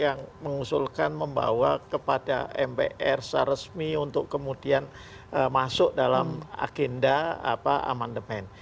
yang mengusulkan membawa kepada mpr secara resmi untuk kemudian masuk dalam agenda amandemen